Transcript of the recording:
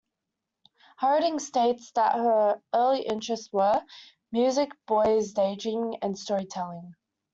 Harding states that her early interests were, "music, boys, daydreaming and storytelling".